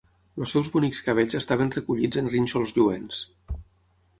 Els seus bonics cabells estaven recollits en rínxols lluents.